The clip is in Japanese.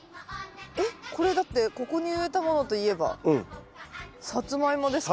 えっこれだってここに植えたものといえばサツマイモですか？